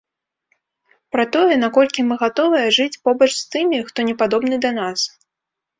Пра тое, наколькі мы гатовыя жыць побач з тымі, хто не падобны да нас.